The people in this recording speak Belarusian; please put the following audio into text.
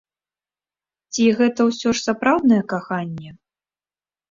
Ці гэта ўсё ж сапраўднае каханне?